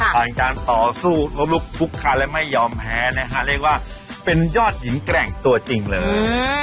ผ่านการต่อสู้ล้มลุกคุกคานและไม่ยอมแพ้นะฮะเรียกว่าเป็นยอดหญิงแกร่งตัวจริงเลย